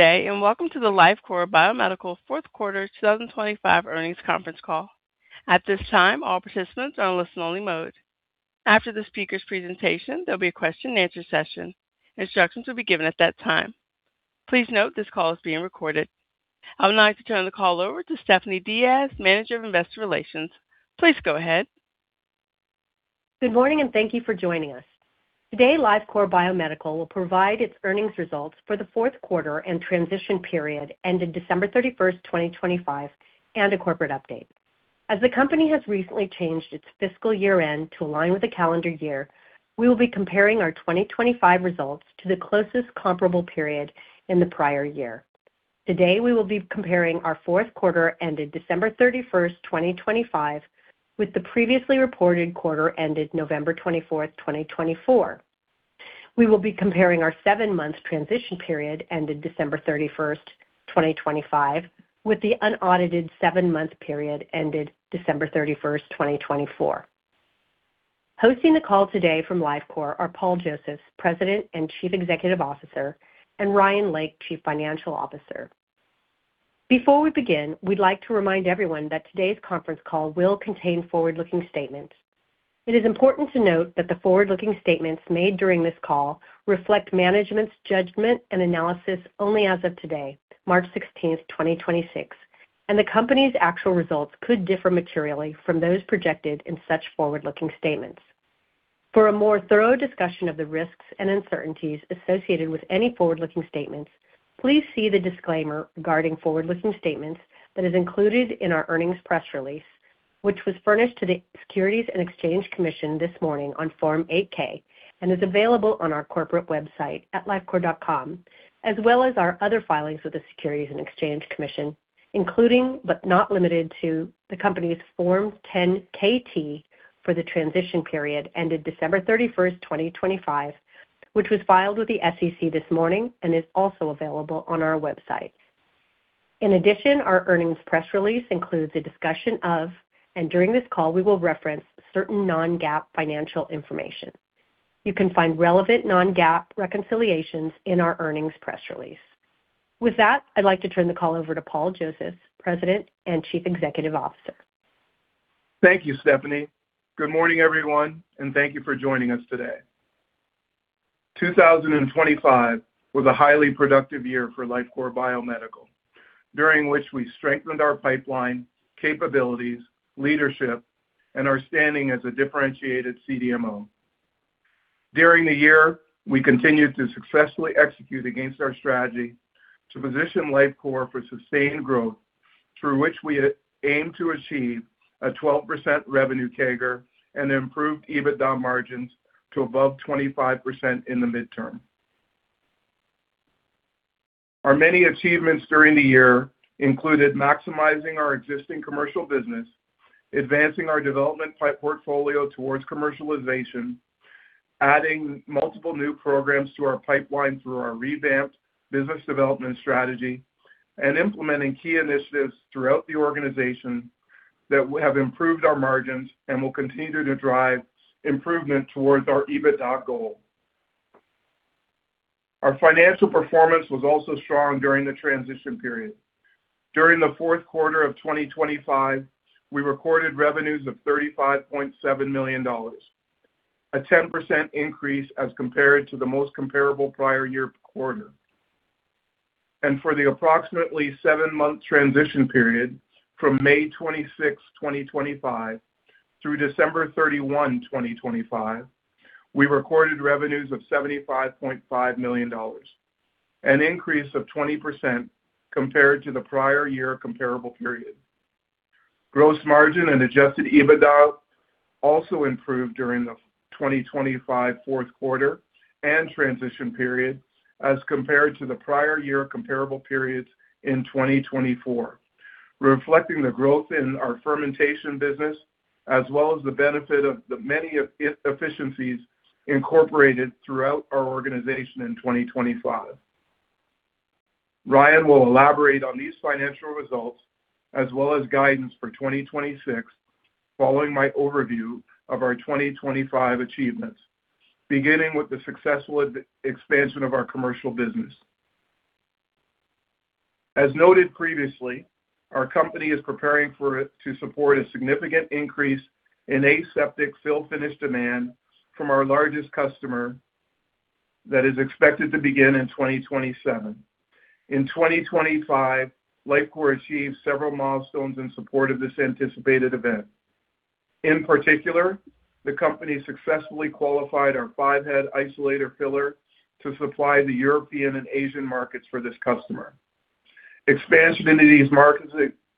day, and welcome to the Lifecore Biomedical Q4 2025 earnings conference call. At this time, all participants are in listen-only mode. After the speaker's presentation, there'll be a question-and-answer session. Instructions will be given at that time. Please note this call is being recorded. I would now like to turn the call over to Stephanie Diaz, Manager of Investor Relations. Please go ahead. Good morning, and thank you for joining us. Today, Lifecore Biomedical will provide its earnings results for the Q4 and transition period ended December 31st 2025, and a corporate update. As the company has recently changed its fiscal year-end to align with the calendar year, we will be comparing our 2025 results to the closest comparable period in the prior year. Today, we will be comparing our Q4 ended December 31st 2025, with the previously reported quarter ended November 24th 2024. We will be comparing our seven month transition period ended December 31st 2025, with the unaudited seven-month period ended December 31st 2024. Hosting the call today from Lifecore are Paul Josephs, President and Chief Executive Officer, and Ryan Lake, Chief Financial Officer. Before we begin, we'd like to remind everyone that today's conference call will contain forward-looking statements. It is important to note that the forward-looking statements made during this call reflect management's judgment and analysis only as of today, March 16th 2026, and the company's actual results could differ materially from those projected in such forward-looking statements. For a more thorough discussion of the risks and uncertainties associated with any forward-looking statements, please see the disclaimer regarding forward-looking statements that is included in our earnings press release, which was furnished to the Securities and Exchange Commission this morning on Form 8-K and is available on our corporate website at lifecore.com, as well as our other filings with the Securities and Exchange Commission, including, but not limited to, the company's Form 10-KT for the transition period ended December 31st 2025, which was filed with the SEC this morning and is also available on our website. In addition, our earnings press release includes a discussion of, and during this call, we will reference certain non-GAAP financial information. You can find relevant non-GAAP reconciliations in our earnings press release. With that, I'd like to turn the call over to Paul Josephs, President and Chief Executive Officer. Thank you, Stephanie. Good morning, everyone, and thank you for joining us today. 2025 was a highly productive year for Lifecore Biomedical, during which we strengthened our pipeline, capabilities, leadership, and our standing as a differentiated CDMO. During the year, we continued to successfully execute against our strategy to position Lifecore for sustained growth, through which we aim to achieve a 12% revenue CAGR and improved EBITDA margins to above 25% in the midterm. Our many achievements during the year included maximizing our existing commercial business, advancing our development portfolio towards commercialization, adding multiple new programs to our pipeline through our revamped business development strategy, and implementing key initiatives throughout the organization that have improved our margins and will continue to drive improvement towards our EBITDA goal. Our financial performance was also strong during the transition period. During the Q4 of 2025, we recorded revenues of $35.7 million, a 10% increase as compared to the most comparable prior year quarter. For the approximately seven month transition period from May 26 2025, through December 31 2025, we recorded revenues of $75.5 million, an increase of 20% compared to the prior year comparable period. Gross margin and adjusted EBITDA also improved during the 2025 Q4 and transition period as compared to the prior year comparable periods in 2024, reflecting the growth in our fermentation business, as well as the benefit of the many efficiencies incorporated throughout our organization in 2025. Ryan will elaborate on these financial results as well as guidance for 2026 following my overview of our 2025 achievements, beginning with the successful expansion of our commercial business. As noted previously, our company is preparing for it to support a significant increase in aseptic fill finish demand from our largest customer that is expected to begin in 2027. In 2025, Lifecore achieved several milestones in support of this anticipated event. In particular, the company successfully qualified our five-head isolator filler to supply the European and Asian markets for this customer. Expansion into these markets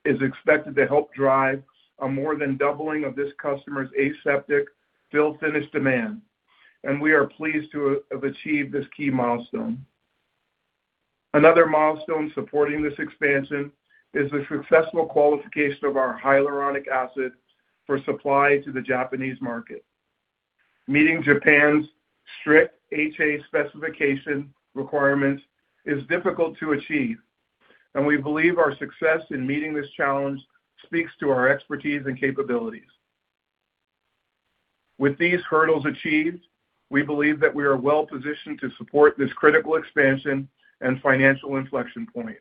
is expected to help drive a more than doubling of this customer's aseptic fill finish demand, and we are pleased to have achieved this key milestone. Another milestone supporting this expansion is the successful qualification of our hyaluronic acid for supply to the Japanese market. Meeting Japan's strict HA specification requirements is difficult to achieve, and we believe our success in meeting this challenge speaks to our expertise and capabilities. With these hurdles achieved, we believe that we are well-positioned to support this critical expansion and financial inflection point.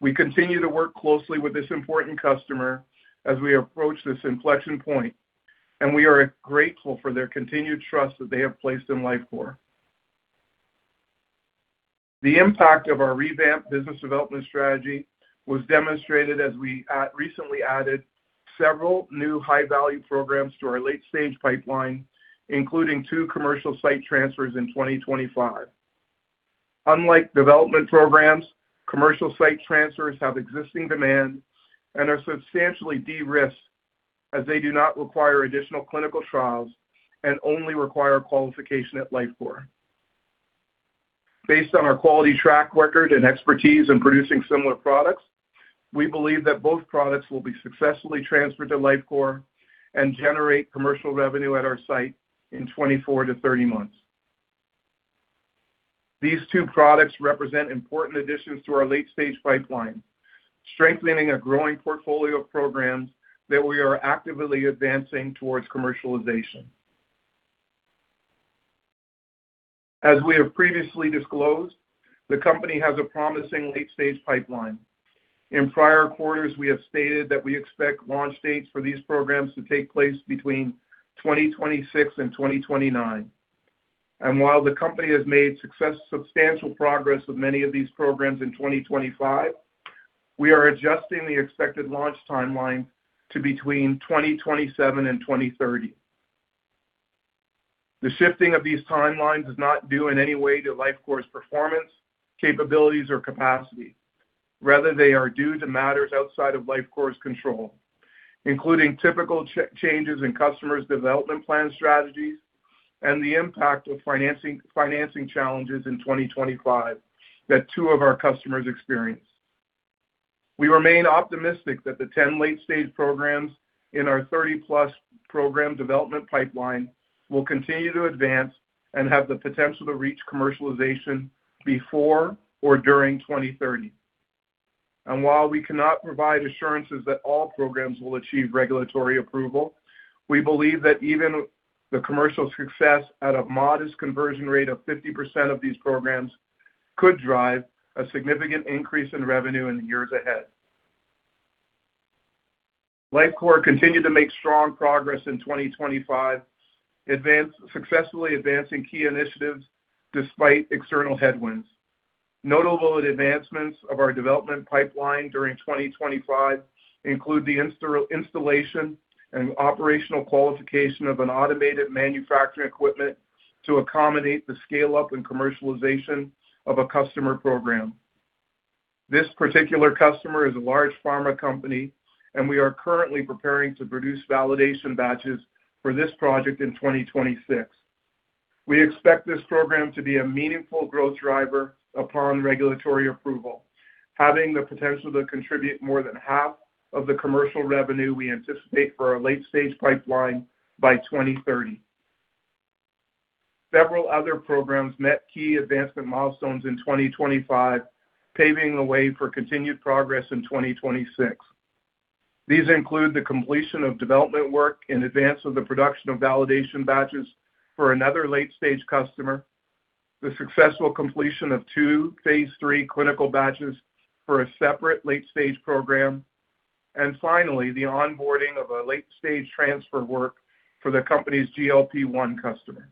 We continue to work closely with this important customer as we approach this inflection point, and we are grateful for their continued trust that they have placed in Lifecore. The impact of our revamped business development strategy was demonstrated as we recently added several new high-value programs to our late-stage pipeline, including two commercial site transfers in 2025. Unlike development programs, commercial site transfers have existing demand and are substantially de-risked as they do not require additional clinical trials and only require qualification at Lifecore. Based on our quality track record and expertise in producing similar products, we believe that both products will be successfully transferred to Lifecore and generate commercial revenue at our site in 24-30 months. These two products represent important additions to our late-stage pipeline, strengthening a growing portfolio of programs that we are actively advancing towards commercialization. As we have previously disclosed, the company has a promising late-stage pipeline. In prior quarters, we have stated that we expect launch dates for these programs to take place between 2026 and 2029. While the company has made substantial progress with many of these programs in 2025, we are adjusting the expected launch timeline to between 2027 and 2030. The shifting of these timelines is not due in any way to Lifecore's performance, capabilities, or capacity. Rather, they are due to matters outside of Lifecore's control, including typical changes in customers' development plan strategies and the impact of financing challenges in 2025 that two of our customers experienced. We remain optimistic that the 10 late-stage programs in our 30+ program development pipeline will continue to advance and have the potential to reach commercialization before or during 2030. While we cannot provide assurances that all programs will achieve regulatory approval, we believe that even the commercial success at a modest conversion rate of 50% of these programs could drive a significant increase in revenue in the years ahead. Lifecore continued to make strong progress in 2025, successfully advancing key initiatives despite external headwinds. Notable advancements of our development pipeline during 2025 include the installation and operational qualification of an automated manufacturing equipment to accommodate the scale-up and commercialization of a customer program. This particular customer is a large pharma company, and we are currently preparing to produce validation batches for this project in 2026. We expect this program to be a meaningful growth driver upon regulatory approval, having the potential to contribute more than half of the commercial revenue we anticipate for our late-stage pipeline by 2030. Several other programs met key advancement milestones in 2025, paving the way for continued progress in 2026. These include the completion of development work in advance of the production of validation batches for another late-stage customer, the successful completion of two phase III clinical batches for a separate late-stage program, and finally, the onboarding of a late-stage transfer work for the company's GLP-1 customer.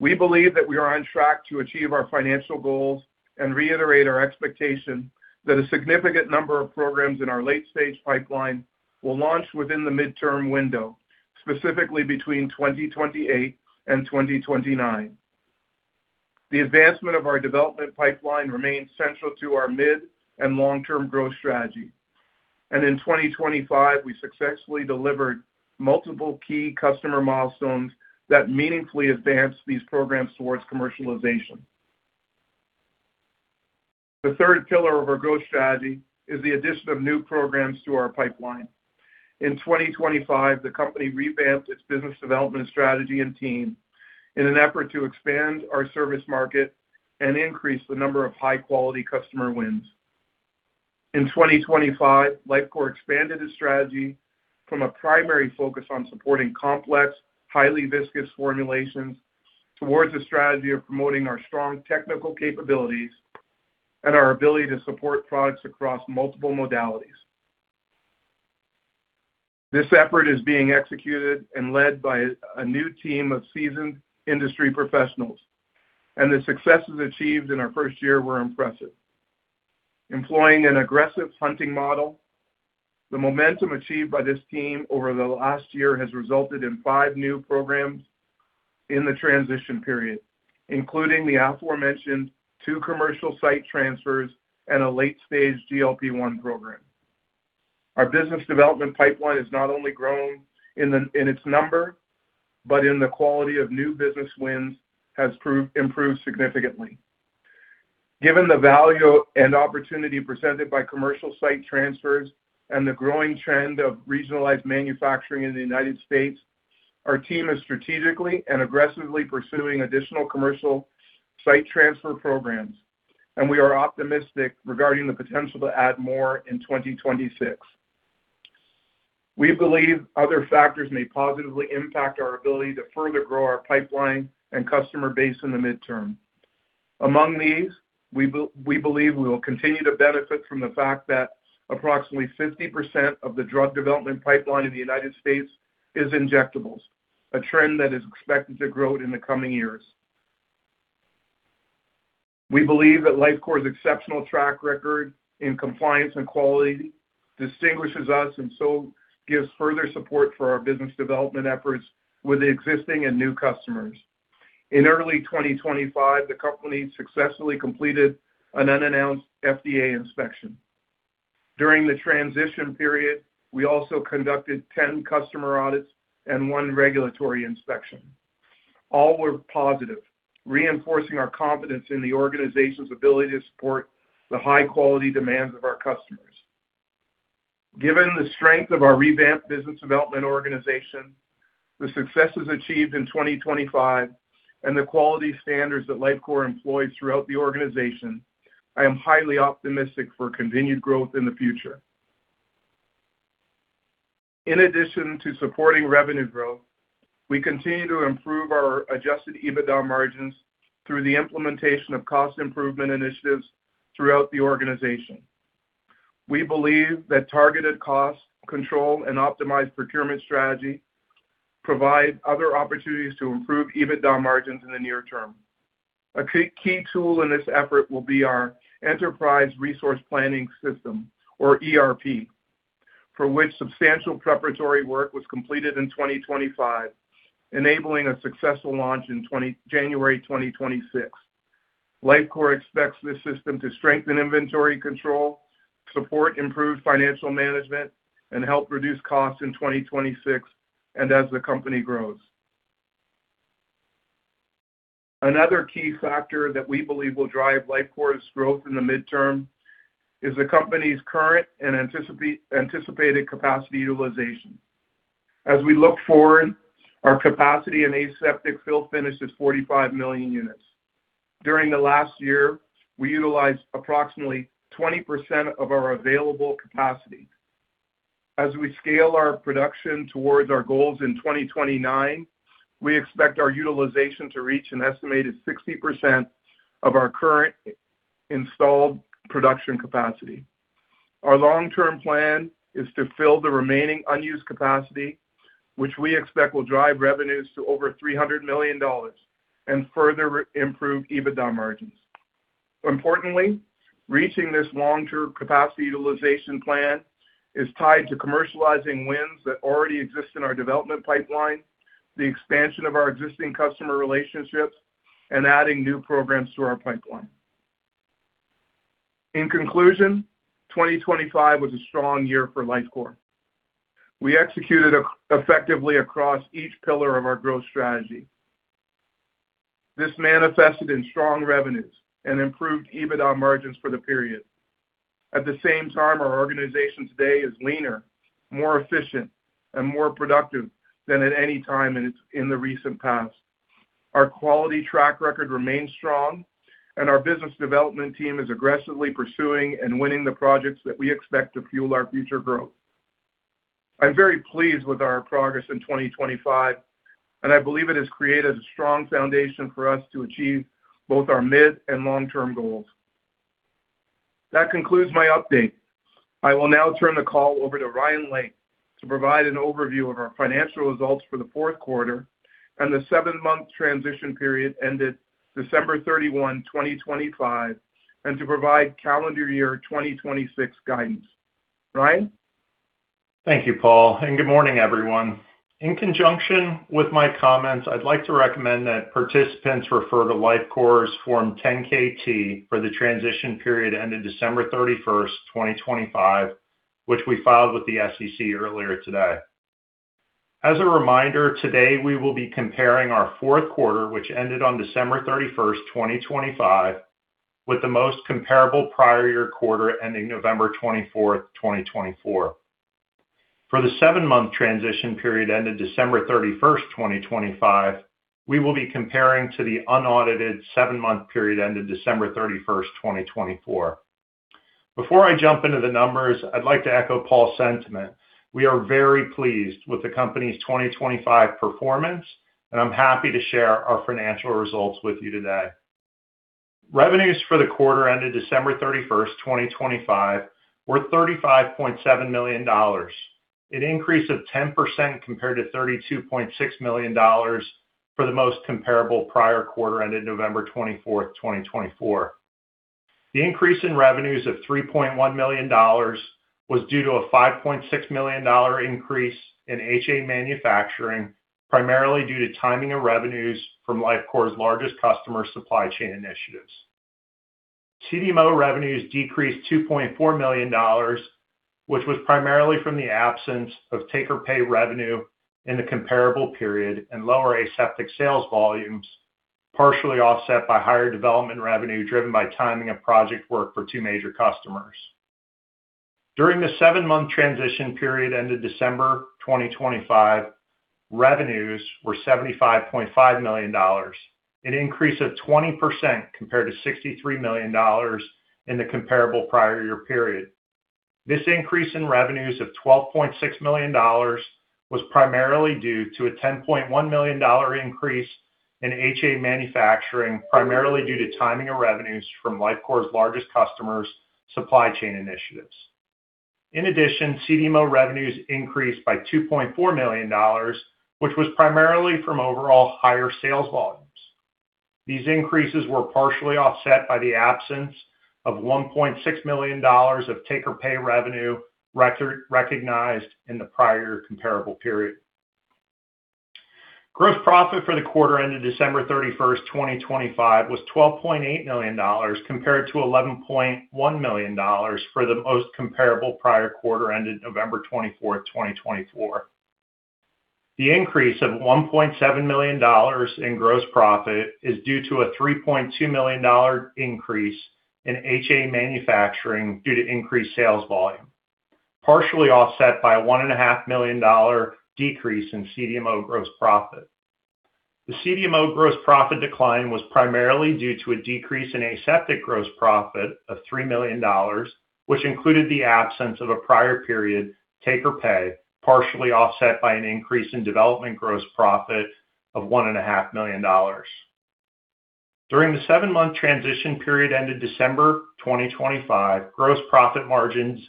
We believe that we are on track to achieve our financial goals and reiterate our expectation that a significant number of programs in our late-stage pipeline will launch within the midterm window, specifically between 2028 and 2029. The advancement of our development pipeline remains central to our mid and long-term growth strategy. In 2025, we successfully delivered multiple key customer milestones that meaningfully advance these programs towards commercialization. The third pillar of our growth strategy is the addition of new programs to our pipeline. In 2025, the company revamped its business development strategy and team in an effort to expand our service market and increase the number of high-quality customer wins. In 2025, Lifecore expanded its strategy from a primary focus on supporting complex, highly viscous formulations towards a strategy of promoting our strong technical capabilities and our ability to support products across multiple modalities. This effort is being executed and led by a new team of seasoned industry professionals, and the successes achieved in our first year were impressive. Employing an aggressive hunting model, the momentum achieved by this team over the last year has resulted in five new programs in the transition period, including the aforementioned two commercial site transfers and a late-stage GLP-1 program. Our business development pipeline has not only grown in its number, but in the quality of new business wins has improved significantly. Given the value and opportunity presented by commercial site transfers and the growing trend of regionalized manufacturing in the United States. Our team is strategically and aggressively pursuing additional commercial site transfer programs, and we are optimistic regarding the potential to add more in 2026. We believe other factors may positively impact our ability to further grow our pipeline and customer base in the midterm. Among these, we believe we will continue to benefit from the fact that approximately 50% of the drug development pipeline in the United States is injectables, a trend that is expected to grow in the coming years. We believe that Lifecore's exceptional track record in compliance and quality distinguishes us and so gives further support for our business development efforts with existing and new customers. In early 2025, the company successfully completed an unannounced FDA inspection. During the transition period, we also conducted 10 customer audits and one regulatory inspection. All were positive, reinforcing our confidence in the organization's ability to support the high-quality demands of our customers. Given the strength of our revamped business development organization, the successes achieved in 2025, and the quality standards that Lifecore employs throughout the organization, I am highly optimistic for continued growth in the future. In addition to supporting revenue growth, we continue to improve our adjusted EBITDA margins through the implementation of cost improvement initiatives throughout the organization. We believe that targeted cost control and optimized procurement strategy provide other opportunities to improve EBITDA margins in the near term. A key tool in this effort will be our enterprise resource planning system, or ERP, for which substantial preparatory work was completed in 2025, enabling a successful launch in January 2026. Lifecore expects this system to strengthen inventory control, support improved financial management, and help reduce costs in 2026 and as the company grows. Another key factor that we believe will drive Lifecore's growth in the midterm is the company's current and anticipated capacity utilization. As we look forward, our capacity in aseptic fill finish is 45,000,000 units. During the last year, we utilized approximately 20% of our available capacity. As we scale our production towards our goals in 2029, we expect our utilization to reach an estimated 60% of our current installed production capacity. Our long-term plan is to fill the remaining unused capacity, which we expect will drive revenues to over $300 million and further improve EBITDA margins. Importantly, reaching this long-term capacity utilization plan is tied to commercializing wins that already exist in our development pipeline, the expansion of our existing customer relationships, and adding new programs to our pipeline. In conclusion, 2025 was a strong year for Lifecore. We executed effectively across each pillar of our growth strategy. This manifested in strong revenues and improved EBITDA margins for the period. At the same time, our organization today is leaner, more efficient, and more productive than at any time in the recent past. Our quality track record remains strong, and our business development team is aggressively pursuing and winning the projects that we expect to fuel our future growth. I'm very pleased with our progress in 2025, and I believe it has created a strong foundation for us to achieve both our mid and long-term goals. That concludes my update. I will now turn the call over to Ryan Lake to provide an overview of our financial results for the Q4 and the seven month transition period ended December 31 2025, and to provide calendar year 2026 guidance. Ryan? Thank you, Paul, and good morning, everyone. In conjunction with my comments, I'd like to recommend that participants refer to Lifecore's Form 10-KT for the transition period ended December 31st 2025, which we filed with the SEC earlier today. As a reminder, today, we will be comparing our Q4, which ended on December 31st 2025, with the most comparable prior year quarter ending November 24th 2024. For the seven month transition period ended December 31st 2025, we will be comparing to the unaudited seven month period ended December 31st 2024. Before I jump into the numbers, I'd like to echo Paul's sentiment. We are very pleased with the company's 2025 performance, and I'm happy to share our financial results with you today. Revenues for the quarter ended December 31st 2025, were $35.7 million, an increase of 10% compared to $32.6 million for the most comparable prior quarter ended November 24th 2024. The increase in revenues of $3.1 million was due to a $5.6 million increase in HA manufacturing, primarily due to timing of revenues from Lifecore's largest customer supply chain initiatives. CDMO revenues decreased $2.4 million, which was primarily from the absence of take-or-pay revenue in the comparable period and lower aseptic sales volumes, partially offset by higher development revenue driven by timing of project work for two major customers. During the seven month transition period ended December 2025, revenues were $75.5 million, an increase of 20% compared to $63 million in the comparable prior year period. This increase in revenues of $12.6 million was primarily due to a $10.1 million increase in HA manufacturing, primarily due to timing of revenues from Lifecore's largest customers' supply chain initiatives. In addition, CDMO revenues increased by $2.4 million, which was primarily from overall higher sales volumes. These increases were partially offset by the absence of $1.6 million of take-or-pay revenue recognized in the prior comparable period. Gross profit for the quarter ended December 31st 2025 was $12.8 million compared to $11.1 million for the most comparable prior quarter ended November 24th 2024. The increase of $1.7 million in gross profit is due to a $3.2 million increase in HA manufacturing due to increased sales volume, partially offset by a $1.5 million decrease in CDMO gross profit. The CDMO gross profit decline was primarily due to a decrease in aseptic gross profit of $3 million, which included the absence of a prior period take-or-pay, partially offset by an increase in development gross profit of $1.5 million. During the seven month transition period ended December 2025, gross profit margins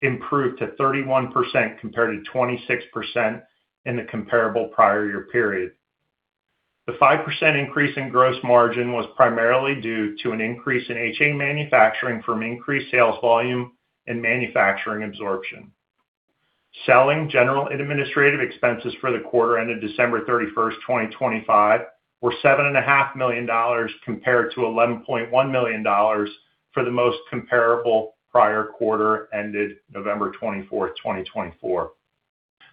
improved to 31% compared to 26% in the comparable prior year period. The 5% increase in gross margin was primarily due to an increase in HA manufacturing from increased sales volume and manufacturing absorption. Selling, general, and administrative expenses for the quarter ended December 31st 2025 were $7.5 million compared to $11.1 million for the most comparable prior quarter ended November 24th 2024.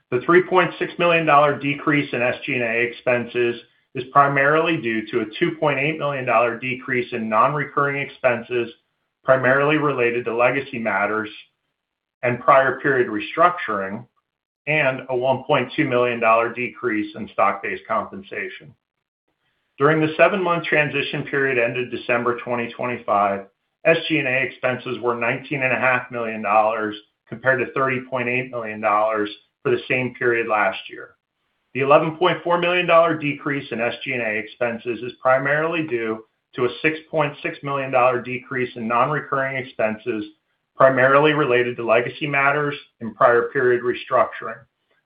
The $3.6 million decrease in SG&A expenses is primarily due to a $2.8 million decrease in non-recurring expenses, primarily related to legacy matters and prior period restructuring, and a $1.2 million decrease in stock-based compensation. During the seven month transition period ended December 2025, SG&A expenses were $19.5 million compared to $30.8 million for the same period last year. The $11.4 million decrease in SG&A expenses is primarily due to a $6.6 million decrease in non-recurring expenses, primarily related to legacy matters and prior period restructuring,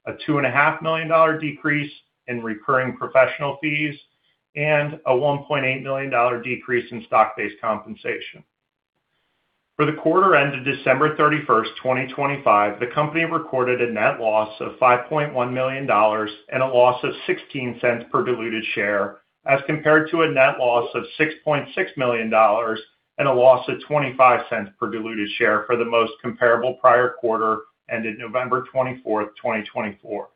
a $2.5 million decrease in recurring professional fees, and a $1.8 million decrease in stock-based compensation. For the quarter ended December 31st 2025, the company recorded a net loss of $5.1 million and a loss of $0.16 per diluted share as compared to a net loss of $6.6 million and a loss of $0.25 per diluted share for the most comparable prior quarter ended November 24th 2024.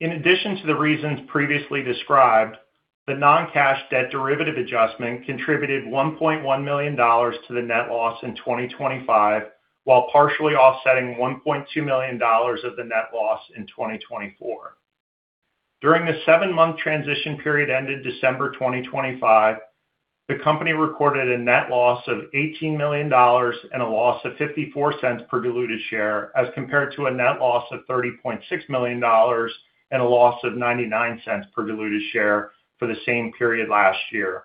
In addition to the reasons previously described, the non-cash debt derivative adjustment contributed $1.1 million to the net loss in 2025, while partially offsetting $1.2 million of the net loss in 2024. During the seven month transition period ended December 2025, the company recorded a net loss of $18 million and a loss of $0.54 per diluted share as compared to a net loss of $30.6 million and a loss of $0.99 per diluted share for the same period last year.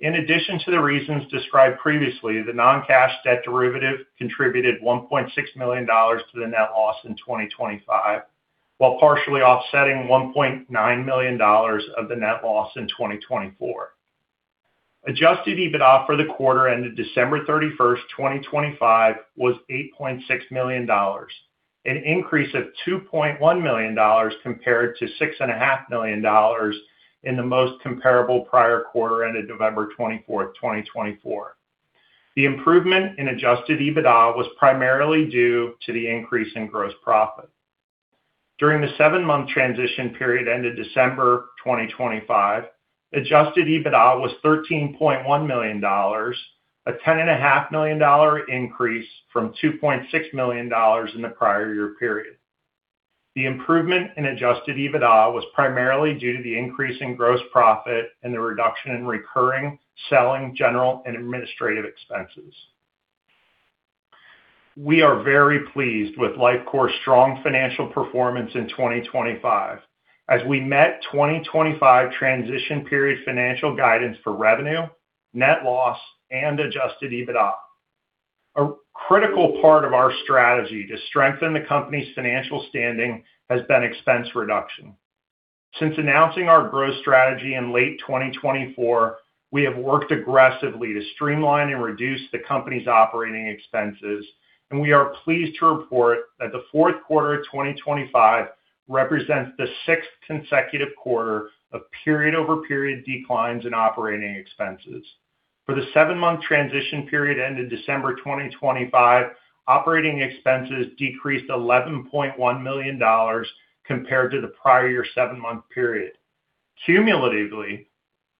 In addition to the reasons described previously, the non-cash debt derivative contributed $1.6 million to the net loss in 2025, while partially offsetting $1.9 million of the net loss in 2024. Adjusted EBITDA for the quarter ended December 31st 2025 was $8.6 million, an increase of $2.1 million compared to $6,500,000 in the most comparable prior quarter ended November 24th 2024. The improvement in adjusted EBITDA was primarily due to the increase in gross profit. During the seven month transition period ended December 2025, adjusted EBITDA was $13.1 million, a $10,500,000 increase from $2.6 million in the prior year period. The improvement in adjusted EBITDA was primarily due to the increase in gross profit and the reduction in recurring, selling, general, and administrative expenses. We are very pleased with Lifecore's strong financial performance in 2025 as we met 2025 transition period financial guidance for revenue, net loss, and adjusted EBITDA. A critical part of our strategy to strengthen the company's financial standing has been expense reduction. Since announcing our growth strategy in late 2024, we have worked aggressively to streamline and reduce the company's operating expenses, and we are pleased to report that the Q4 of 2025 represents the sixth consecutive quarter of period-over-period declines in operating expenses. For the seven month transition period ended December 2025, operating expenses decreased $11.1 million compared to the prior year seven month period. Cumulatively,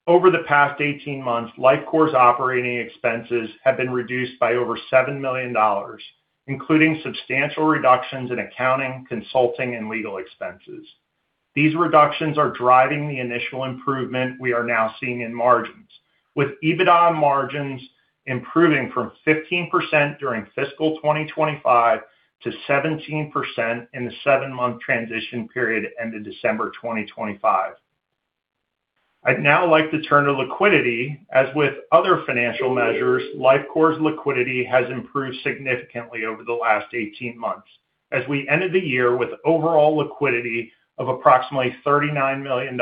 over the past 18 months, Lifecore's operating expenses have been reduced by over $7 million, including substantial reductions in accounting, consulting, and legal expenses. These reductions are driving the initial improvement we are now seeing in margins, with EBITDA margins improving from 15% during fiscal 2025 to 17% in the seven-month transition period ended December 2025. I'd now like to turn to liquidity. As with other financial measures, Lifecore's liquidity has improved significantly over the last 18 months as we ended the year with overall liquidity of approximately $39 million,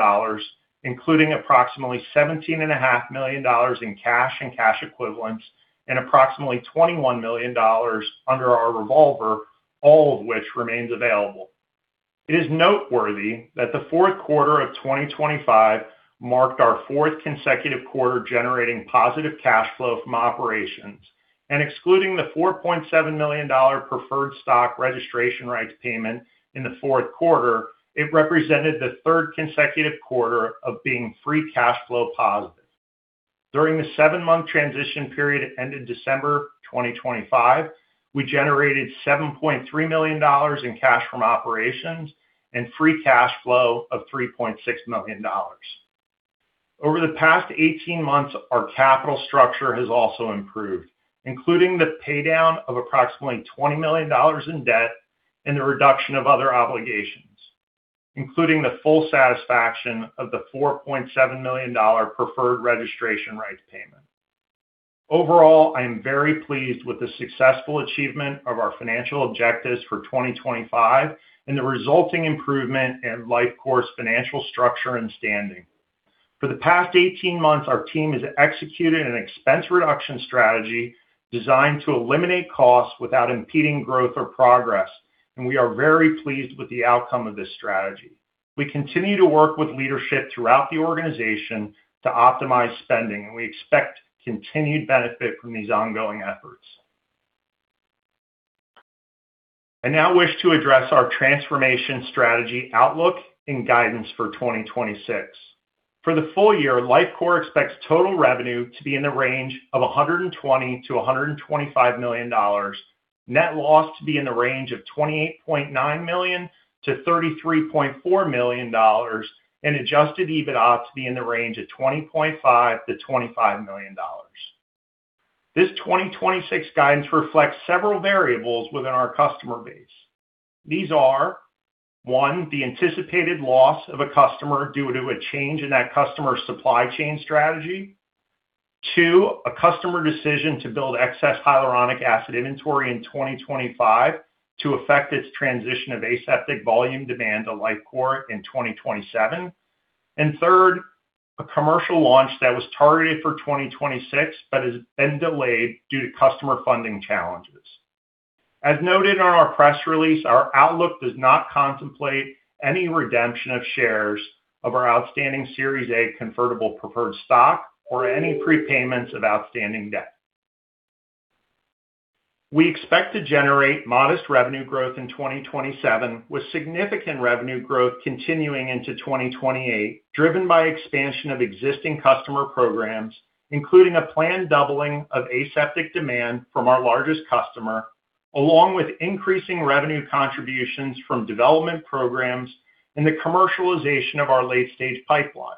including approximately $17.5 million in cash and cash equivalents and approximately $21 million under our revolver, all of which remains available. It is noteworthy that the Q4 of 2025 marked our fourth consecutive quarter generating positive cash flow from operations. And excluding the $4.7 million preferred stock registration rights payment in the Q4, it represented the third consecutive quarter of being free cash flow positive. During the seven month transition period ended December 2025, we generated $7.3 million in cash from operations and free cash flow of $3.6 million. Over the past 18 months, our capital structure has also improved, including the paydown of approximately $20 million in debt and the reduction of other obligations, including the full satisfaction of the $4.7 million preferred registration rights payment. Overall, I am very pleased with the successful achievement of our financial objectives for 2025 and the resulting improvement in Lifecore's financial structure and standing. For the past 18 months, our team has executed an expense reduction strategy designed to eliminate costs without impeding growth or progress, and we are very pleased with the outcome of this strategy. We continue to work with leadership throughout the organization to optimize spending, and we expect continued benefit from these ongoing efforts. I now wish to address our transformation strategy outlook and guidance for 2026. For the full year, Lifecore expects total revenue to be in the range of $120 million-$125 million, net loss to be in the range of $28.9 million-$33.4 million, and adjusted EBITDA to be in the range of $20.5 million-$25 million. This 2026 guidance reflects several variables within our customer base. These are, one, the anticipated loss of a customer due to a change in that customer's supply chain strategy. Two, a customer decision to build excess hyaluronic acid inventory in 2025 to affect its transition of aseptic volume demand to Lifecore in 2027. Third, a commercial launch that was targeted for 2026 but has been delayed due to customer funding challenges. As noted in our press release, our outlook does not contemplate any redemption of shares of our outstanding Series A convertible preferred stock or any prepayments of outstanding debt. We expect to generate modest revenue growth in 2027, with significant revenue growth continuing into 2028, driven by expansion of existing customer programs, including a planned doubling of aseptic demand from our largest customer, along with increasing revenue contributions from development programs and the commercialization of our late-stage pipeline.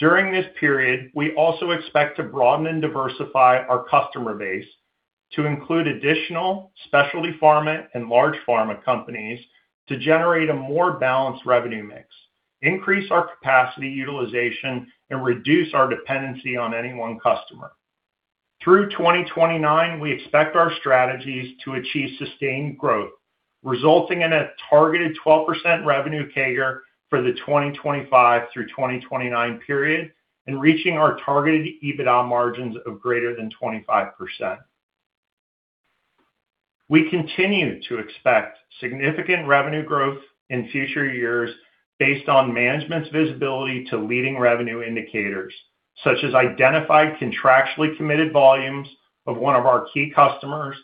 During this period, we also expect to broaden and diversify our customer base to include additional specialty pharma and large pharma companies to generate a more balanced revenue mix, increase our capacity utilization, and reduce our dependency on any one customer. Through 2029, we expect our strategies to achieve sustained growth, resulting in a targeted 12% revenue CAGR for the 2025 through 2029 period and reaching our targeted EBITDA margins of greater than 25%. We continue to expect significant revenue growth in future years based on management's visibility to leading revenue indicators, such as identified contractually committed volumes of one of our key customers,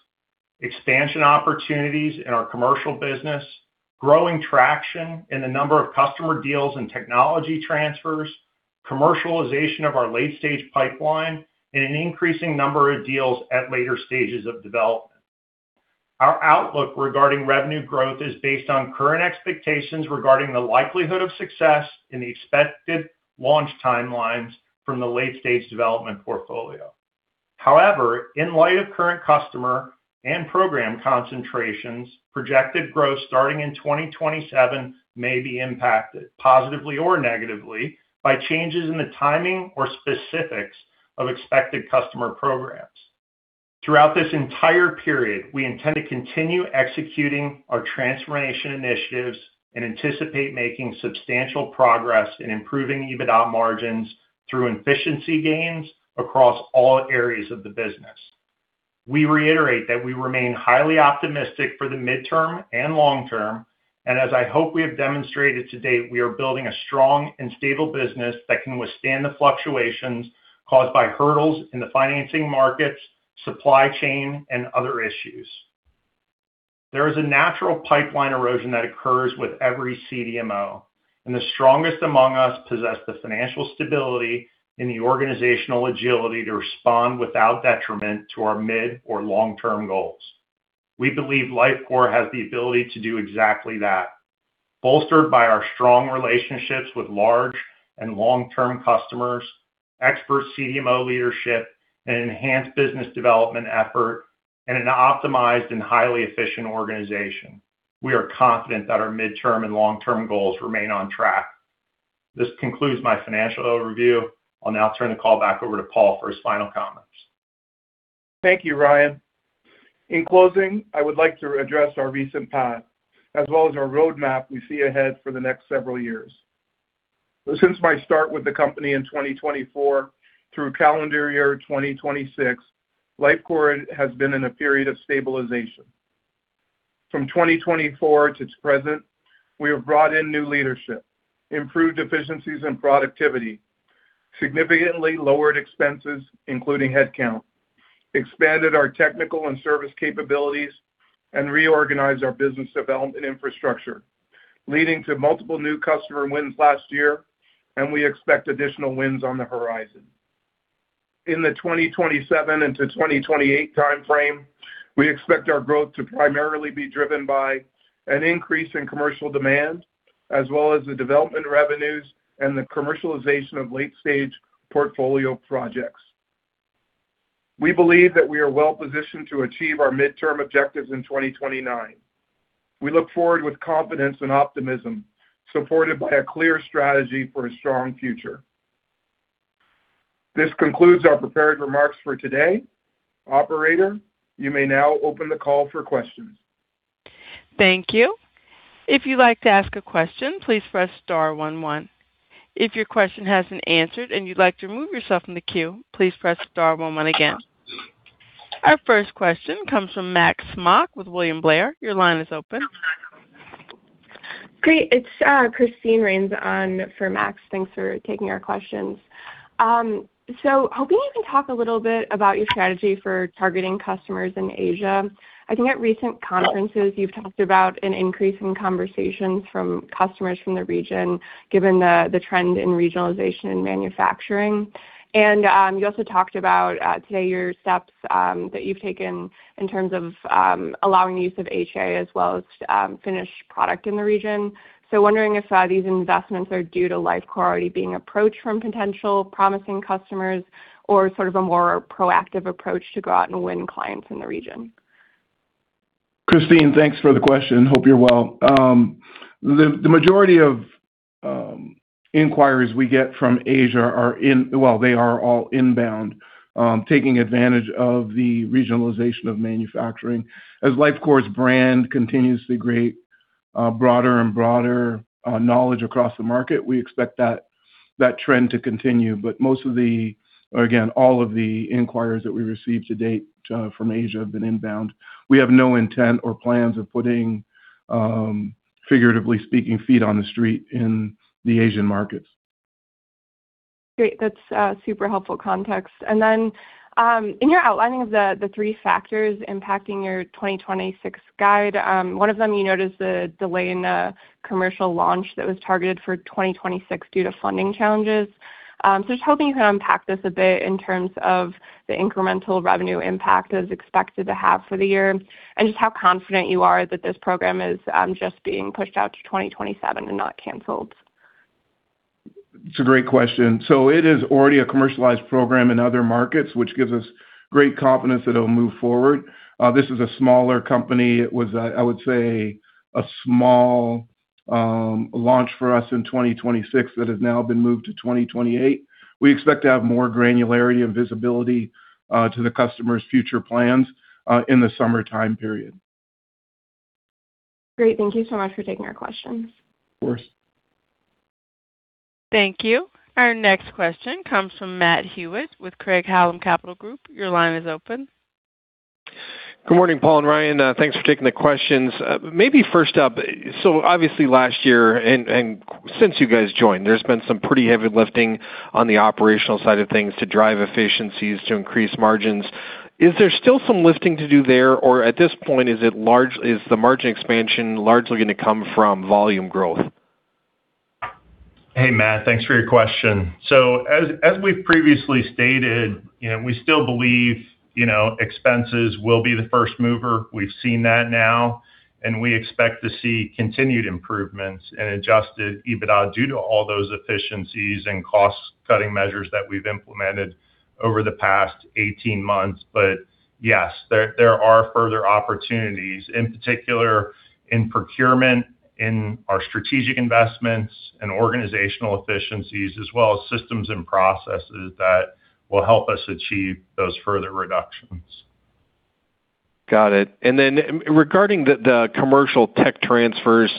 expansion opportunities in our commercial business, growing traction in the number of customer deals and technology transfers, commercialization of our late-stage pipeline, and an increasing number of deals at later stages of development. Our outlook regarding revenue growth is based on current expectations regarding the likelihood of success in the expected launch timelines from the late-stage development portfolio. However, in light of current customer and program concentrations, projected growth starting in 2027 may be impacted positively or negatively by changes in the timing or specifics of expected customer programs. Throughout this entire period, we intend to continue executing our transformation initiatives and anticipate making substantial progress in improving EBITDA margins through efficiency gains across all areas of the business. We reiterate that we remain highly optimistic for the mid-term and long-term, and as I hope we have demonstrated to date, we are building a strong and stable business that can withstand the fluctuations caused by hurdles in the financing markets, supply chain, and other issues. There is a natural pipeline erosion that occurs with every CDMO, and the strongest among us possess the financial stability and the organizational agility to respond without detriment to our mid or long-term goals. We believe Lifecore has the ability to do exactly that, bolstered by our strong relationships with large and long-term customers, expert CDMO leadership, and enhanced business development effort, and an optimized and highly efficient organization. We are confident that our mid-term and long-term goals remain on track. This concludes my financial overview. I'll now turn the call back over to Paul for his final comments. Thank you, Ryan. In closing, I would like to address our recent path as well as our roadmap we see ahead for the next several years. Since my start with the company in 2024 through calendar year 2026, Lifecore has been in a period of stabilization. From 2024 to present, we have brought in new leadership, improved efficiencies and productivity, significantly lowered expenses, including headcount, expanded our technical and service capabilities, and reorganized our business development infrastructure, leading to multiple new customer wins last year, and we expect additional wins on the horizon. In the 2027 into 2028 timeframe, we expect our growth to primarily be driven by an increase in commercial demand as well as the development revenues and the commercialization of late-stage portfolio projects. We believe that we are well positioned to achieve our mid-term objectives in 2029. We look forward with confidence and optimism, supported by a clear strategy for a strong future. This concludes our prepared remarks for today. Operator, you may now open the call for questions. Thank you. If you'd like to ask a question, please press star one one. If your question hasn't been answered and you'd like to remove yourself from the queue, please press star one one again. Our first question comes from Max Smock with William Blair. Your line is open. Great. It's Christine Rains on for Max. Thanks for taking our questions. Hoping you can talk a little bit about your strategy for targeting customers in Asia. I think at recent conferences you've talked about an increase in conversations from customers from the region, given the trend in regionalization and manufacturing. You also talked about today your steps that you've taken in terms of allowing the use of HA as well as finished product in the region. Wondering if these investments are due to Lifecore already being approached from potential promising customers or sort of a more proactive approach to go out and win clients in the region. Christine, thanks for the question. Hope you're well. The majority of inquiries we get from Asia. Well, they are all inbound, taking advantage of the regionalization of manufacturing. As Lifecore's brand continues to create broader and broader knowledge across the market, we expect that trend to continue. Again, all of the inquiries that we've received to date from Asia have been inbound. We have no intent or plans of putting, figuratively speaking, feet on the street in the Asian markets. Great. That's super helpful context. Then, in your outlining of the three factors impacting your 2026 guide, one of them you noticed a delay in the commercial launch that was targeted for 2026 due to funding challenges. Just hoping you can unpack this a bit in terms of the incremental revenue impact it was expected to have for the year and just how confident you are that this program is just being pushed out to 2027 and not canceled. It's a great question. It is already a commercialized program in other markets, which gives us great confidence that it'll move forward. This is a smaller company. It was, I would say, a small launch for us in 2026 that has now been moved to 2028. We expect to have more granularity and visibility to the customer's future plans in the summertime period. Great. Thank you so much for taking our questions. Of course. Thank you. Our next question comes from Matt Hewitt with Craig-Hallum Capital Group. Your line is open. Good morning, Paul and Ryan. Thanks for taking the questions. Maybe first up, obviously last year and since you guys joined, there's been some pretty heavy lifting on the operational side of things to drive efficiencies to increase margins. Is there still some lifting to do there, or at this point, is the margin expansion largely gonna come from volume growth? Hey, Matt, thanks for your question. As we've previously stated, you know, we still believe, you know, expenses will be the first mover. We've seen that now, and we expect to see continued improvements in adjusted EBITDA due to all those efficiencies and cost-cutting measures that we've implemented over the past 18 months. Yes, there are further opportunities, in particular in procurement, in our strategic investments and organizational efficiencies, as well as systems and processes that will help us achieve those further reductions. Got it. Then regarding the commercial tech transfers,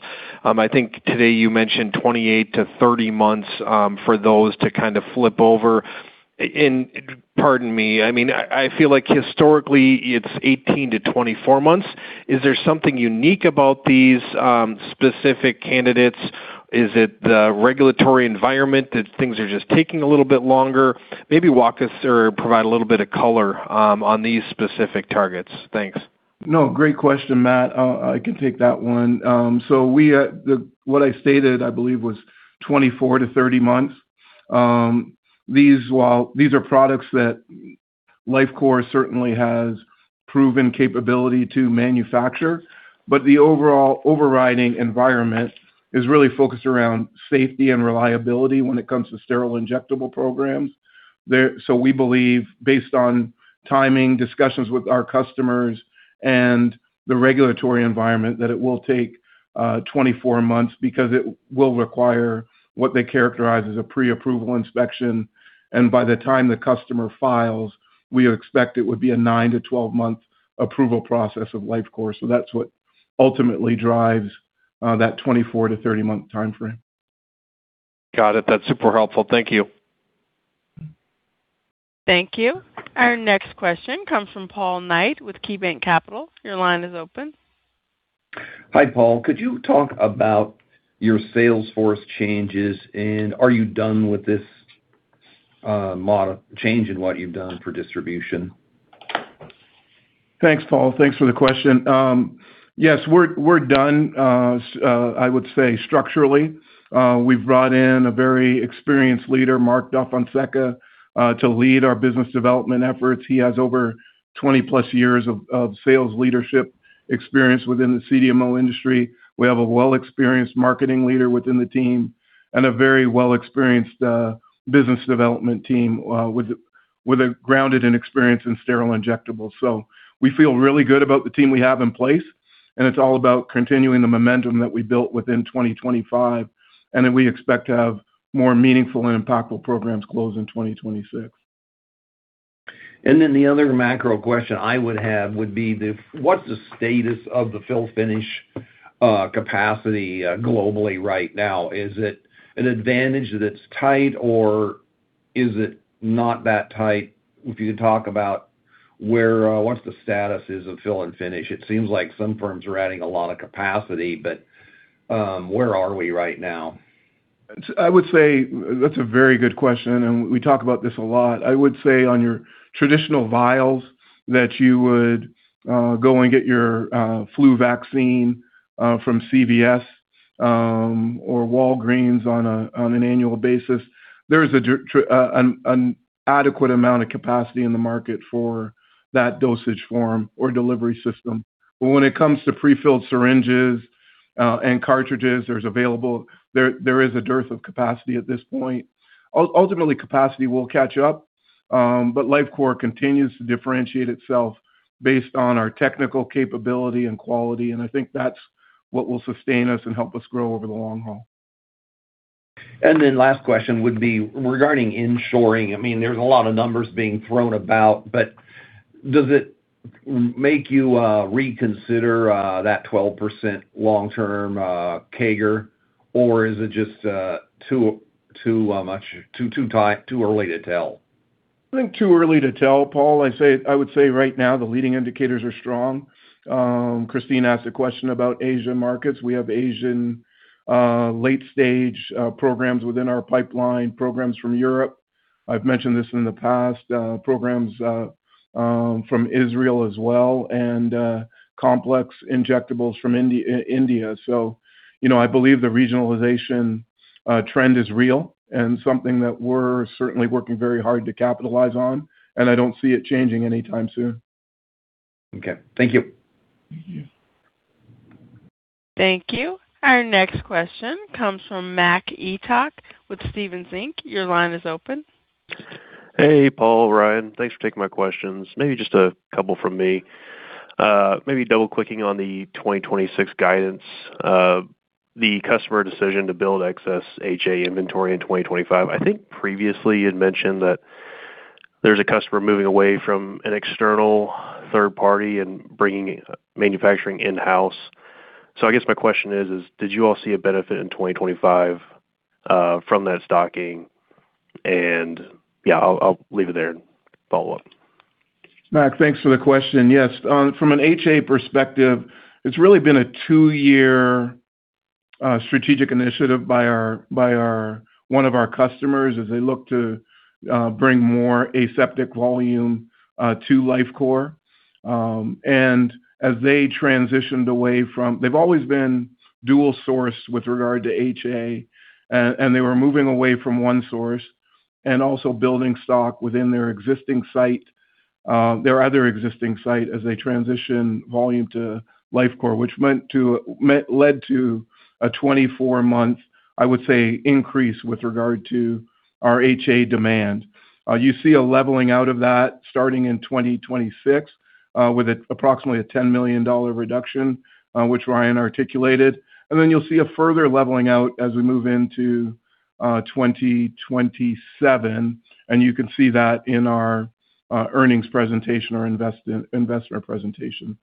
I think today you mentioned 28-30 months for those to kind of flip over. Pardon me, I mean, I feel like historically it's 18-24 months. Is there something unique about these specific candidates? Is it the regulatory environment that things are just taking a little bit longer? Maybe walk us or provide a little bit of color, on these specific targets. Thanks. No, great question, Matt. I can take that one. What I stated, I believe, was 24-30 months. While these are products that Lifecore certainly has proven capability to manufacture, but the overall overriding environment is really focused around safety and reliability when it comes to sterile injectables. We believe based on timing discussions with our customers and the regulatory environment, that it will take 24 months because it will require what they characterize as a pre-approval inspection. By the time the customer files, we expect it would be a nine to 12 month approval process of Lifecore. That's what ultimately drives that 24-30 month time frame. Got it. That's super helpful. Thank you. Thank you. Our next question comes from Paul Knight with KeyBanc Capital Markets. Your line is open. Hi, Paul. Could you talk about your sales force changes? Are you done with this, model change in what you've done for distribution? Thanks, Paul. Thanks for the question. Yes, we're done. I would say structurally, we've brought in a very experienced leader, Mark DaFonseca, to lead our business development efforts. He has over 20+ years of sales leadership experience within the CDMO industry. We have a well experienced marketing leader within the team and a very well experienced business development team with a grounded and experienced in sterile injectables. We feel really good about the team we have in place, and it's all about continuing the momentum that we built within 2025, and that we expect to have more meaningful and impactful programs closed in 2026. The other macro question I would have would be, what's the status of the fill finish capacity globally right now? Is it an advantage that it's tight, or is it not that tight? If you could talk about where, what's the status is of fill and finish. It seems like some firms are adding a lot of capacity, but where are we right now? I would say that's a very good question, and we talk about this a lot. I would say on your traditional vials that you would go and get your flu vaccine from CVS or Walgreens on an annual basis. There is an adequate amount of capacity in the market for that dosage form or delivery system. When it comes to prefilled syringes and cartridges, there is a dearth of capacity at this point. Ultimately, capacity will catch up. Lifecore continues to differentiate itself based on our technical capability and quality, and I think that's what will sustain us and help us grow over the long haul. Last question would be regarding inshoring. I mean, there's a lot of numbers being thrown about, but does it make you reconsider that 12% long-term CAGR or is it just too much, too tight, too early to tell? I think too early to tell, Paul. I would say right now the leading indicators are strong. Christine asked a question about Asian markets. We have Asian late-stage programs within our pipeline, programs from Europe. I've mentioned this in the past, programs from Israel as well, and complex injectables from India. You know, I believe the regionalization trend is real and something that we're certainly working very hard to capitalize on, and I don't see it changing anytime soon. Okay. Thank you. Thank you. Our next question comes from Mac Etoch with Stephens Inc. Your line is open. Hey, Paul, Ryan. Thanks for taking my questions. Maybe just a couple from me. Maybe double-clicking on the 2026 guidance. The customer decision to build excess HA inventory in 2025. I think previously you'd mentioned that there's a customer moving away from an external third party and bringing manufacturing in-house. So I guess my question is, did you all see a benefit in 2025 from that stocking? Yeah, I'll leave it there and follow up. Mac, thanks for the question. Yes. From an HA perspective, it's really been a two-year strategic initiative by one of our customers as they look to bring more aseptic volume to Lifecore. As they transitioned away from. They've always been dual source with regard to HA, and they were moving away from one source and also building stock within their existing site, their other existing site as they transition volume to Lifecore, which led to a 24 month, I would say, increase with regard to our HA demand. You see a leveling out of that starting in 2026, with approximately a $10 million reduction, which Ryan Lake articulated. Then you'll see a further leveling out as we move into 2027. You can see that in our earnings presentation or investor presentation.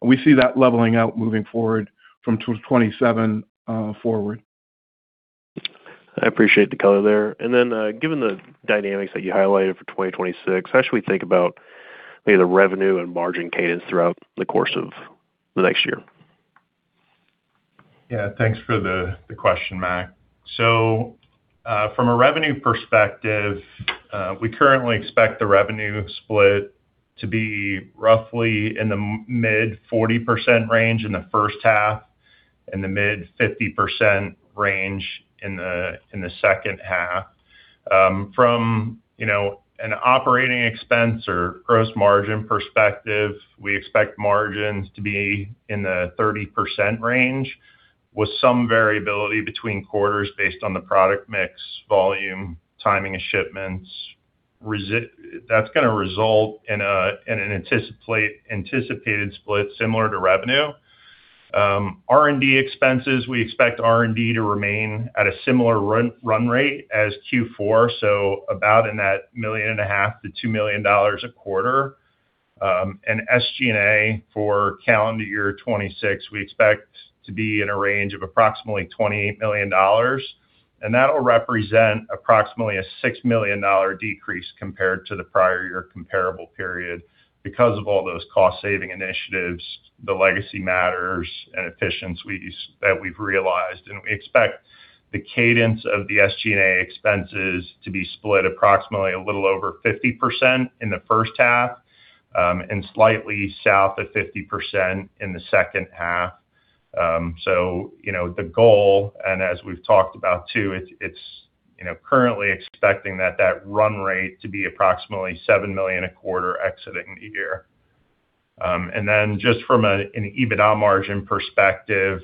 We see that leveling out moving forward from 2027 forward. I appreciate the color there. Given the dynamics that you highlighted for 2026, how should we think about maybe the revenue and margin cadence throughout the course of the next year? Yeah. Thanks for the question, Mac. From a revenue perspective, we currently expect the revenue split to be roughly in the mid-40% range in the first half and the mid-50% range in the second half. From, you know, an operating expense or gross margin perspective, we expect margins to be in the 30% range with some variability between quarters based on the product mix, volume, timing of shipments. That's gonna result in an anticipated split similar to revenue. R&D expenses, we expect R&D to remain at a similar run rate as Q4, so about in that $1.5 million-$2 million a quarter. SG&A for calendar year 2026, we expect to be in a range of approximately $28 million, and that'll represent approximately a $6 million decrease compared to the prior year comparable period because of all those cost-saving initiatives, the legacy matters and efficiencies that we've realized. We expect the cadence of the SG&A expenses to be split approximately a little over 50% in the first half, and slightly south of 50% in the second half. You know, the goal, and as we've talked about too, it's currently expecting that run rate to be approximately $7 million a quarter exiting the year. Then just from an EBITDA margin perspective,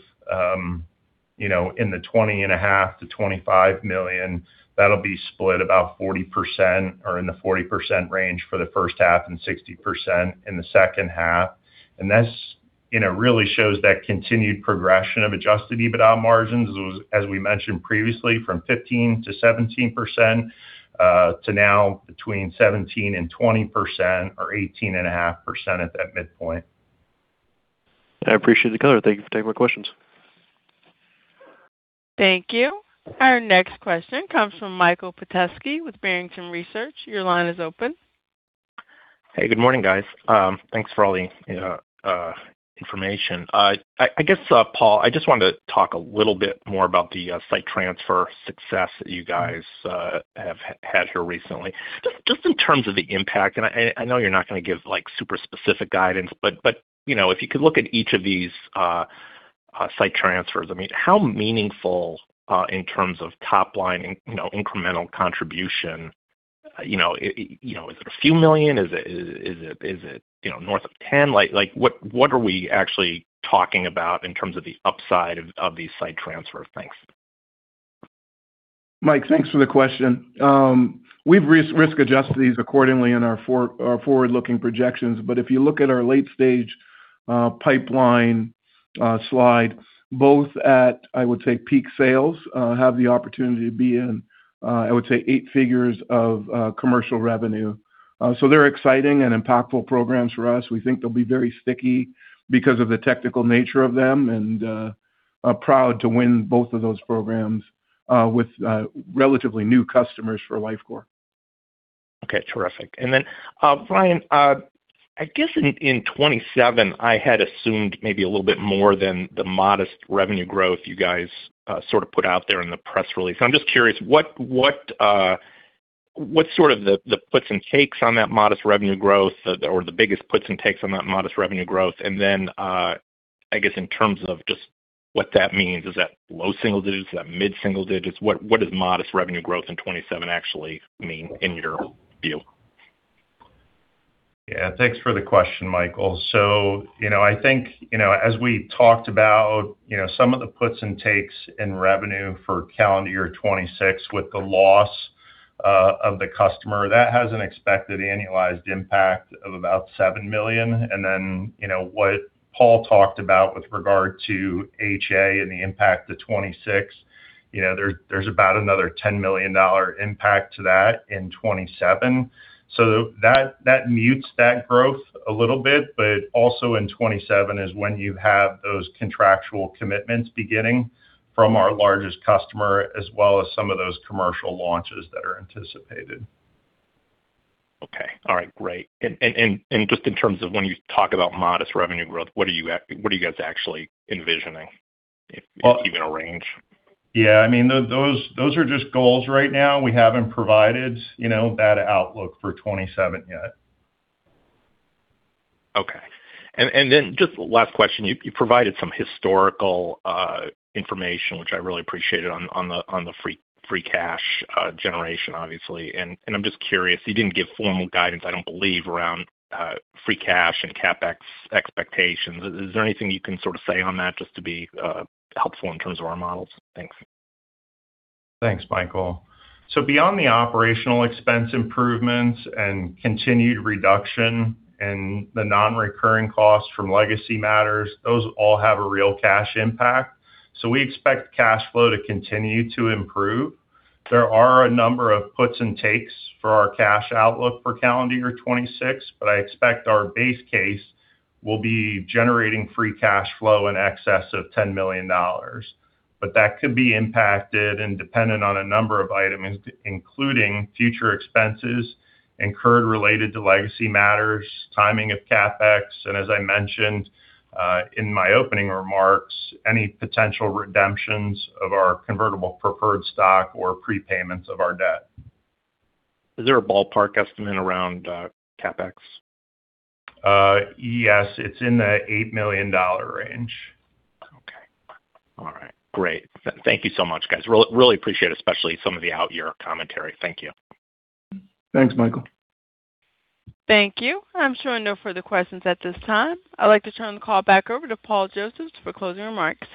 you know, in the $20.5 million-$25 million, that'll be split about 40% or in the 40% range for the first half and 60% in the second half. This, you know, really shows that continued progression of adjusted EBITDA margins, as we mentioned previously, from 15%-17% to now between 17%-20% or 18.5% at that midpoint. I appreciate the color. Thank you for taking my questions. Thank you. Our next question comes from Michael Petusky with Barrington Research. Your line is open. Hey, good morning, guys. Thanks for all the information. I guess, Paul, I just wanted to talk a little bit more about the site transfer success that you guys have had here recently. Just in terms of the impact, and I know you're not gonna give like super specific guidance, but you know, if you could look at each of these site transfers, I mean, how meaningful in terms of top line, you know, incremental contribution, you know. You know, is it a few million? Is it north of $10 million? Like, what are we actually talking about in terms of the upside of the site transfer? Thanks. Mike, thanks for the question. We've risk adjusted these accordingly in our forward-looking projections. If you look at our late stage pipeline slide, both at, I would say, peak sales have the opportunity to be in, I would say eight figures of commercial revenue. So they're exciting and impactful programs for us. We think they'll be very sticky because of the technical nature of them and proud to win both of those programs with relatively new customers for Lifecore. Okay. Terrific. Ryan, I guess in 2027, I had assumed maybe a little bit more than the modest revenue growth you guys sort of put out there in the press release. I'm just curious what's sort of the puts and takes on that modest revenue growth or the biggest puts and takes on that modest revenue growth? I guess in terms of just what that means, is that low single digits? Is that mid single digits? What does modest revenue growth in 2027 actually mean in your view? Yeah. Thanks for the question, Michael. You know, I think, you know, as we talked about, you know, some of the puts and takes in revenue for calendar year 2026 with the loss of the customer, that has an expected annualized impact of about $7 million. Then, you know, what Paul talked about with regard to HA and the impact to 2026, you know, there's about another $10 million impact to that in 2027. That mutes that growth a little bit. But also in 2027 is when you have those contractual commitments beginning from our largest customer as well as some of those commercial launches that are anticipated. Okay. All right. Great. And just in terms of when you talk about modest revenue growth, what are you guys actually envisioning if even a range? Yeah, I mean, those are just goals right now. We haven't provided, you know, that outlook for 2027 yet. Okay. Just last question. You provided some historical information, which I really appreciated on the free cash generation, obviously. I'm just curious, you didn't give formal guidance I don't believe around free cash and CapEx expectations. Is there anything you can sort of say on that just to be helpful in terms of our models? Thanks. Thanks, Michael. Beyond the operational expense improvements and continued reduction in the non-recurring costs from legacy matters, those all have a real cash impact. We expect cash flow to continue to improve. There are a number of puts and takes for our cash outlook for calendar year 2026, but I expect our base case will be generating free cash flow in excess of $10 million. That could be impacted and dependent on a number of items, including future expenses incurred related to legacy matters, timing of CapEx, and as I mentioned in my opening remarks, any potential redemptions of our convertible preferred stock or prepayments of our debt. Is there a ballpark estimate around CapEx? Yes. It's in the $8 million range. Okay. All right. Great. Thank you so much, guys. Really appreciate, especially some of the out year commentary. Thank you. Thanks, Michael. Thank you. I'm showing no further questions at this time. I'd like to turn the call back over to Paul Josephs for closing remarks.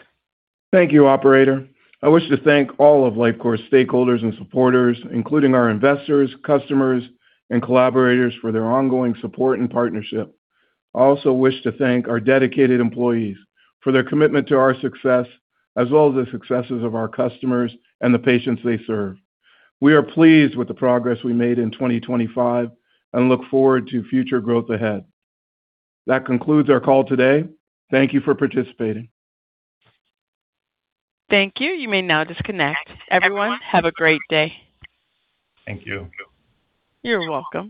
Thank you, operator. I wish to thank all of Lifecore's stakeholders and supporters, including our investors, customers, and collaborators for their ongoing support and partnership. I also wish to thank our dedicated employees for their commitment to our success, as well as the successes of our customers and the patients they serve. We are pleased with the progress we made in 2025 and look forward to future growth ahead. That concludes our call today. Thank you for participating. Thank you. You may now disconnect. Everyone, have a great day. Thank you. You're welcome.